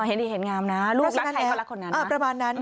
เห็นดีเห็นงามนะลูกรักใครเขารักคนนั้น